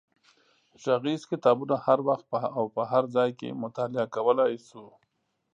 غږیز کتابونه هر وخت او په هر ځای کې مطالعه کولای شو.